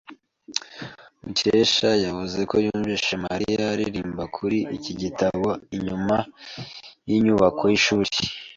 Mukesha yavuze ko yumvise Mariya aririmba muri iki gitondo inyuma yinyubako yishuri.